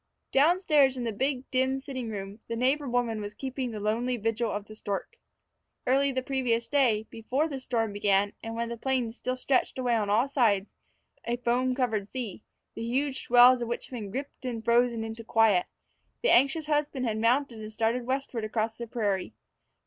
Down stairs in the big, dim sitting room, the neighbor woman was keeping the lonely vigil of the stork. Early the previous day, before the storm began, and when the plains still stretched away on all sides, a foam covered sea, the huge swells of which had been gripped and frozen into quiet, the anxious husband had mounted and started westward across the prairie.